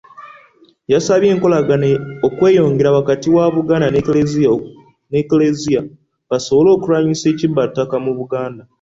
Yasabye enkolagana okweyongera wakati w'Obuganda n'Eklezia, basobole okulwanyisa ekibba ttaka mu Buganda.